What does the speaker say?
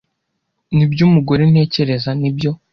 nibyo umugore ntekereza nibyo